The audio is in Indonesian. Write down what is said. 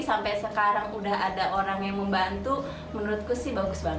sampai sekarang udah ada orang yang membantu menurutku sih bagus banget